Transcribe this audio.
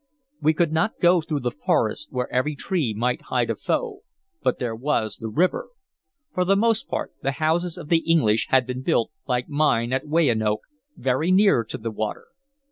We could not go through the forest where every tree might hide a foe, but there was the river. For the most part, the houses of the English had been built, like mine at Weyanoke, very near to the water.